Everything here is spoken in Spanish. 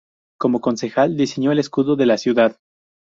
Como concejal, diseñó el escudo de la ciudad.